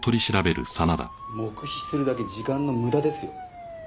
黙秘するだけ時間の無駄ですよ。